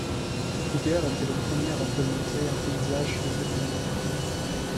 Gyger était le premier à représenter un paysage de cette manière.